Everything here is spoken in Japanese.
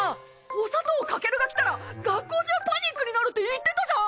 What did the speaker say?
小佐藤カケルが来たら学校中パニックになるって言ってたじゃん！